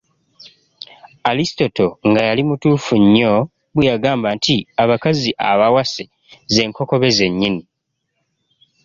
Alistotle nga yali mutuufu nnyo bwe yagamba nti abakazi abawase z’enkokobe z’ennyini!